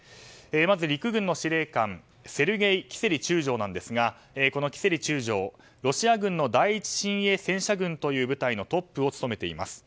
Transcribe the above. まず陸軍の司令官セルゲイ・キセリ中将ですがこのキセリ中将、ロシア軍の第１親衛戦車軍という部隊の部隊のトップを務めています。